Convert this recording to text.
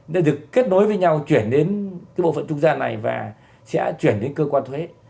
đã được kết nối với nhau chuyển đến bộ phận trung gian này và sẽ chuyển đến cơ quan thuế